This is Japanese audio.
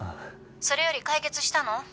「それより解決したの？